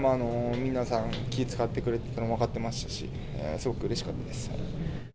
皆さん、気遣ってくれてたのが分かってましたし、すごくうれしかったです。